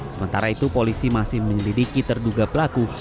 sementara itu polisi masih menyelidiki terduga pelaku